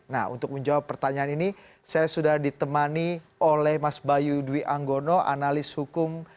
nah untuk menjawab pertanyaan ini saya sudah ditemani oleh mas bayu dwi anggono analis hukum